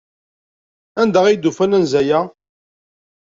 Anda ay d-ufan anza-a?